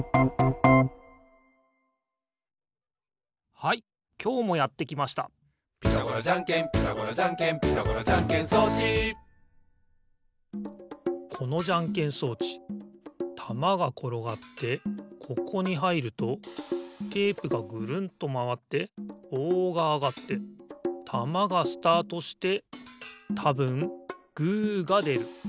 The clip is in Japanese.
はいきょうもやってきました「ピタゴラじゃんけんピタゴラじゃんけん」「ピタゴラじゃんけん装置」このじゃんけん装置たまがころがってここにはいるとテープがぐるんとまわってぼうがあがってたまがスタートしてたぶんグーがでる。